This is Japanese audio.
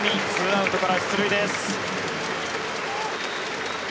２アウトから出塁です。